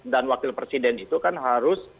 dan wakil presiden itu kan harus